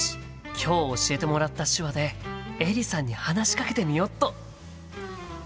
今日教えてもらった手話でエリさんに話しかけてみよっと！